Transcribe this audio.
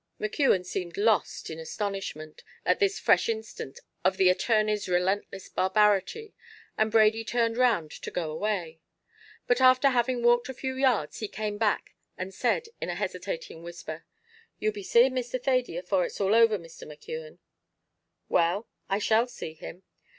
McKeon seemed lost in astonishment, at this fresh instance of the attorney's relentless barbarity, and Brady turned round to go away. But after having walked a few yards, he came back, and said, in a hesitating whisper "You'll be seeing Mr. Thady afore it's all over, Mr. McKeon?" "Well; I shall see him."